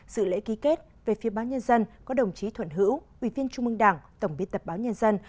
sự lễ ký kết về phía báo nhân dân có đồng chí thuận hữu ubnd tổng biên tập báo nhân dân